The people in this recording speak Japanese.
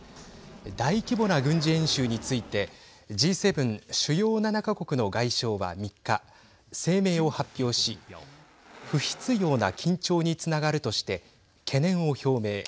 大規模な軍事演習についてＧ７＝主要７か国の外相は３日声明を発表し不必要な緊張につながるとして懸念を表明。